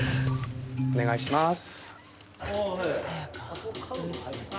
お願いします。